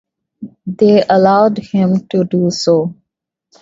They allowed him to do so.